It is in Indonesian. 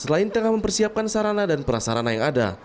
selain tengah mempersiapkan sarana dan prasarana yang ada